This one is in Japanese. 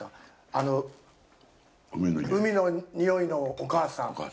あの、「海の匂いのお母さん」。